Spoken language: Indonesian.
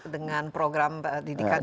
dengan program didikannya